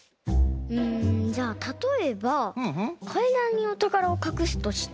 うんじゃあたとえばかいだんにおたからをかくすとして。